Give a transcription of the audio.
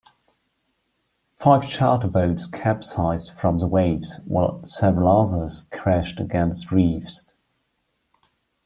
Five charter boats capsized from the waves, while several others crashed against reefs.